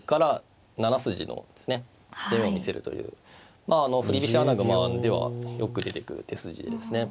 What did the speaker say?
まああの振り飛車穴熊ではよく出てくる手筋ですね。